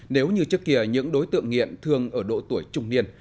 nếu như trước kia những đối tượng nghiện thường ở độ tuổi trung niên